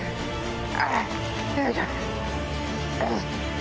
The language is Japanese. よいしょ。